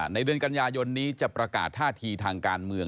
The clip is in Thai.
ในเดือนกันยายนนี้จะประกาศท่าทีทางการเมือง